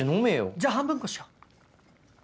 じゃあ半分こしよう。